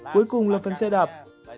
cuối cùng là phần xe đạp